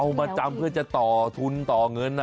เค้าจะเอามาจำเพื่อจะต่อทุนต่อเงินน่ะ